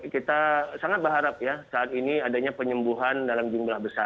kita sangat berharap ya saat ini adanya penyembuhan dalam jumlah besar